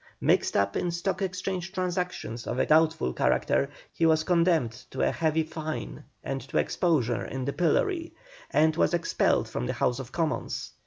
Mixed up in Stock Exchange transactions of a doubtful character, he was condemned to a heavy fine and to exposure in the pillory, and was expelled from the House of Commons.